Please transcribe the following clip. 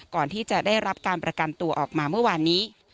ก่อนที่จะได้รับการประกันตัวออกมาเมื่อวานนี้